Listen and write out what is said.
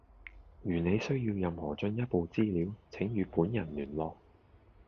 如你需要任何進一步資料，請與本人聯絡。